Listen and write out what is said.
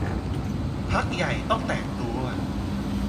พรรคใหญ่ต้องแตกตัว